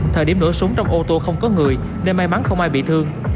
thời điểm nổ súng trong ô tô không có người nên may mắn không ai bị thương